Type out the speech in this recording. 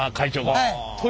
はい。